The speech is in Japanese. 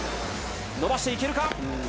伸ばしていけるか。